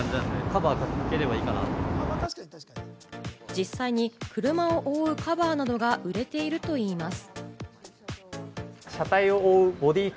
実際に車を覆うカバーなどが売れているといいます。